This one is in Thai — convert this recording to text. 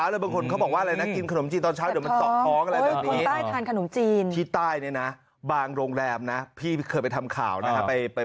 ด้านนี้ที่ใต้บางโรงแรมพี่เคยไปทำข่าวนะครับ